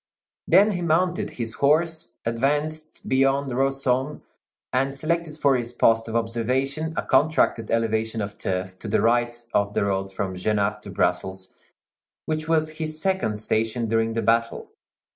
Then he mounted his horse, advanced beyond Rossomme, and selected for his post of observation a contracted elevation of turf to the right of the road from Genappe to Brussels, which was his second station during the battle.